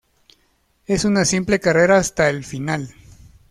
Es una simple carrera hasta el final.